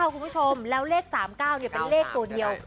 ๓๙๙คุณผู้ชมแล้วเลข๓๙๙เนี่ยเป็นเลขตัวเดียว